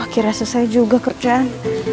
akhirnya selesai juga kerjaan